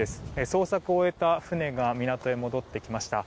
捜索を終えた船が港へ戻ってきました。